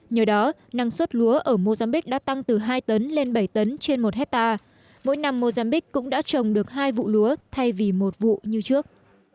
nhờ đó năng suất lúa ở mozambique đã tăng từ hai tấn lên bảy tấn trên một hectare mỗi năm mozambiqu đã trồng được hai vụ lúa thay vì một vụ như trước